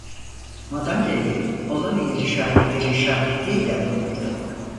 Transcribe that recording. Madalyayı olay yeri şahitlerin şahitliği ile alınırdı.